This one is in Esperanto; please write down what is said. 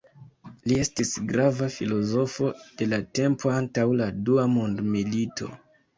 Li estis grava filozofo de la tempo antaŭ la dua mondmilito.